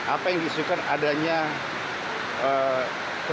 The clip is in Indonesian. apa yang disyukur adanya kekerasan